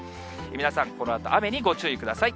皆さん、このあと、雨にご注意ください。